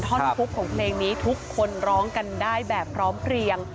ท่อนทุกข์ของเพลงนี้ทุกคนร้องกันได้แบบพร้อมเพลียง